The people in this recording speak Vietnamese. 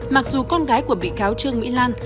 mặc dù con gái của bị cáo trương mỹ lan